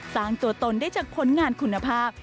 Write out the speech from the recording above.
สร้างตัวตนได้จากผลงานคุณภาพ